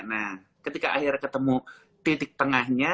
nah ketika akhirnya ketemu titik tengahnya